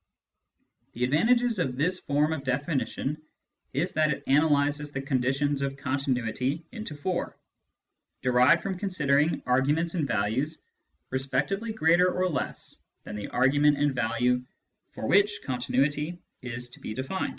The advantages of this form of definition is that it analyses the conditions of continuity into four, derived from considering arguments and values respectively greater or less than the argument and value for which continuity is to be defined.